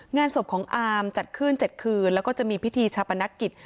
งานศพของอาร์มจัดขึ้น๗คืนแล้วก็จะมีพิธีชาปนกิจ